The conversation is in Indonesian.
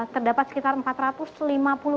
terdapat sekitar empat ratus jalan